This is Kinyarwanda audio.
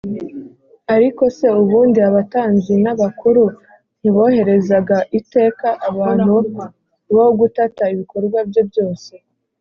”ariko se ubundi abatambyi n’abakuru ntiboherezaga iteka abantu bo gutata ibikorwa bye byose,